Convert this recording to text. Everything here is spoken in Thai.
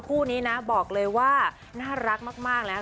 คู่นี้นะบอกเลยว่าน่ารักมากแล้ว